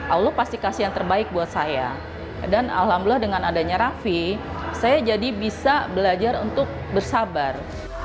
alhamdulillah dengan adanya raffi saya jadi bisa belajar untuk bersabar